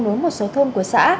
nối một số thôn của xã